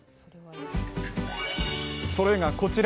それがこちら。